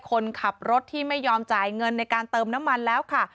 คนขับรถที่ไม่ยอมจ่ายเงินในการเติมน้ำมันแล้วค่ะ